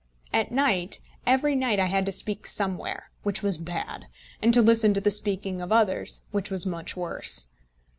At night, every night I had to speak somewhere, which was bad; and to listen to the speaking of others, which was much worse.